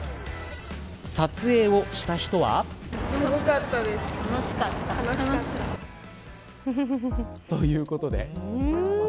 撮影をした人は。ということで。